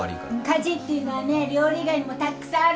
家事っていうのはね料理以外にもたっくさんあるの。